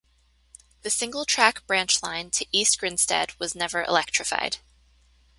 The single-track branch line to East Grinstead was never electrified.